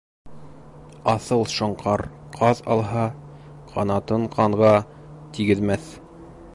Аҫыл шоңҡар ҡаҙ алһа, ҡанатын ҡанға тигеҙмәҫ.